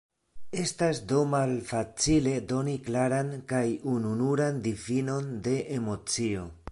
Estas do malfacile doni klaran kaj ununuran difinon de emocio.